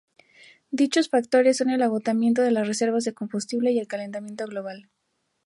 Dichos factores son el agotamiento de las reservas de combustible y el calentamiento global.